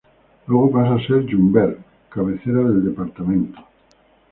Luego pasa a ser Yumbel, cabecera del departamento.